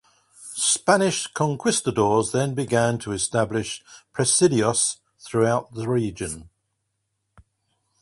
Spanish Conquistadores then began to establish presidios throughout the region.